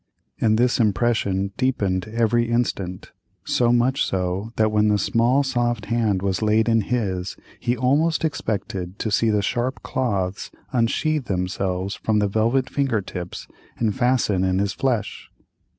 And this impression deepened every instant, so much so, that when the small soft hand was laid in his, he almost expected to see the sharp claws unsheathe themselves from the velvet finger tips and fasten in his flesh.